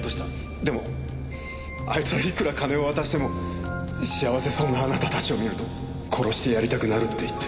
でもあいつはいくら金を渡しても「幸せそうなあなたたちを見ると殺してやりたくなる」って言って。